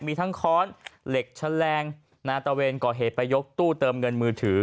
มีทั้งค้อนเหล็กแฉลงตะเวนก่อเหตุไปยกตู้เติมเงินมือถือ